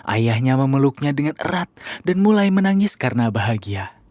ayahnya memeluknya dengan erat dan mulai menangis karena bahagia